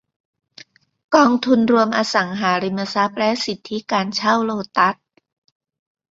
กองทุนรวมอสังหาริมทรัพย์และสิทธิการเช่าโลตัสส์